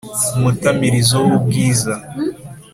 Umutamirizo w’ ubwiza